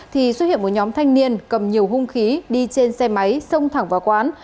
thì xuất hiện một nhóm thanh niên cầm nhiều hung khí đi trên xe máy xông thẳng vào quán